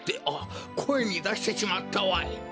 あっこえにだしてしまったわい！